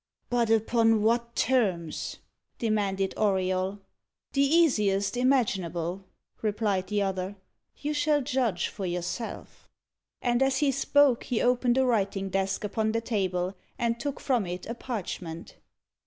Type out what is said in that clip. "But upon what terms?" demanded Auriol. "The easiest imaginable," replied the other. "You shall judge for yourself." And as he spoke, he opened a writing desk upon the table, and took from it a parchment.